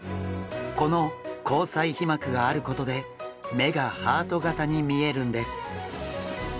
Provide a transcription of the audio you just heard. この虹彩皮膜があることで目がハート型に見えるんです。